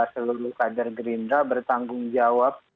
seluruh kader gerindra bertanggung jawab